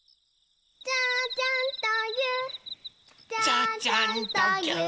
「ちゃちゃんとぎゅっ」